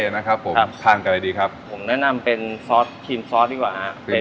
นะครับผมทานอะไรดีครับผมแนะนำเป็นซอสครีมซอสดีกว่าฮะ